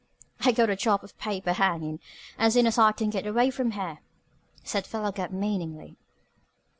"I got a job of paper hangin' as soon as I can get away from here," said Philo Gubb meaningly.